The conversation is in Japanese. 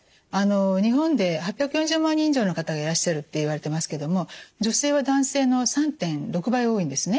日本で８４０万人以上の方がいらっしゃるっていわれてますけれども女性は男性の３．６倍多いんですね。